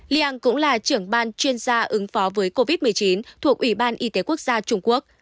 liang cũng là trưởng ban chuyên gia ứng phó với covid một mươi chín thuộc ủy ban y tế quốc gia trung quốc